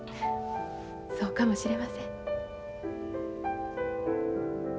そうかもしれません。